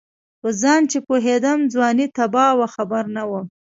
په ځان چې پوهېدم ځواني تباه وه خبر نه وم